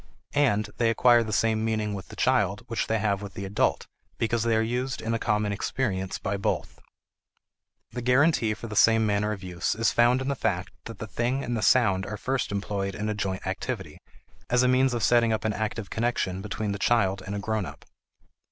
And they acquire the same meaning with the child which they have with the adult because they are used in a common experience by both. The guarantee for the same manner of use is found in the fact that the thing and the sound are first employed in a joint activity, as a means of setting up an active connection between the child and a grownup.